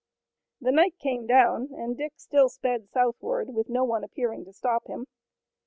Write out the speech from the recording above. The night came down, and Dick still sped southward with no one appearing to stop him.